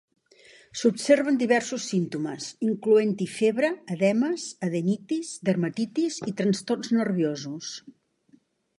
S'observen diversos símptomes, incloent-hi febre, edemes, adenitis, dermatitis i trastorns nerviosos.